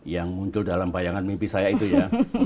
yang muncul dalam bayangan mimpi saya itu ya